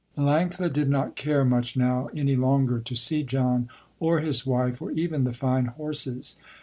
Melanctha did not care much now, any longer, to see John or his wife or even the fine horses.